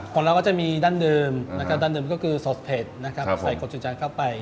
ของเราก็จะมีดั้งเดิมนะครับดั้งเดิมก็คือสดเผ็ดนะครับใส่กดจูจานเข้าไป